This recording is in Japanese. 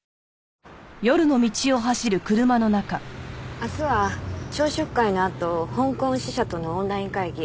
明日は朝食会のあと香港支社とのオンライン会議。